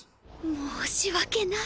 申し訳ない。